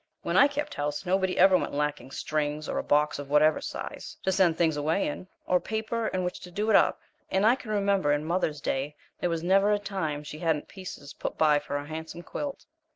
When I kept house nobody ever went lacking strings or a box of whatever size, to send things away in, or paper in which to do it up, and I can remember in mother's day there was never a time she hadn't pieces put by for a handsome quilt.